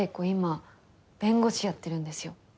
今弁護士やってるんですよ。